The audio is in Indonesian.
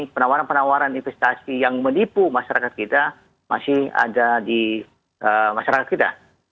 penawaran penawaran investasi yang menipu masyarakat kita masih ada di masyarakat kita